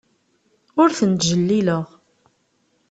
Ur ten-ttjellileɣ.